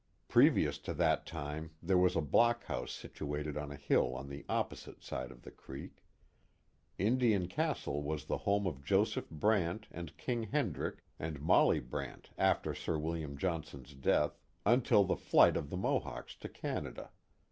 Pre vious to that time there was a block house situated on a hill on the opposite side of the creek. Indian Castle was the home of Joseph Urant and King Hendrick, and Molly Brant Oriskany 43 1 after Sir William Johnson's death until the flight of the Mohawks to Canada.